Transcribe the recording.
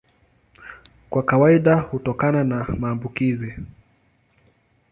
Kwa kawaida hutokana na maambukizi.